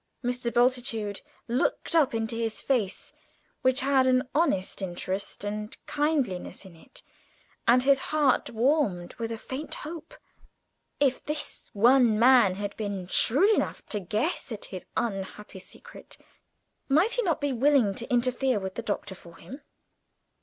Mr. Bultitude looked up into his face, which had an honest interest and kindliness in it, and his heart warmed with a faint hope. If this young man had been shrewd enough to guess at his unhappy secret, might he not be willing to intercede with the Doctor for him?